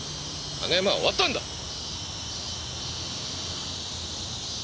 あのヤマは終わったんだ！